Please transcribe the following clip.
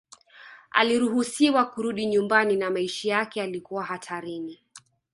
Aliruhusiwa kurudi nyumbani na maisha yake yalikuwa hatarini